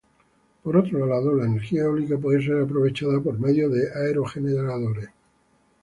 Por otro lado, la energía eólica puede ser aprovechada por medio de aerogeneradores.